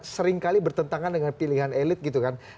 seringkali bertentangan dengan pilihan elit gitu kan